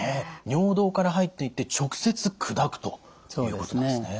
尿道から入っていって直接砕くということなんですね。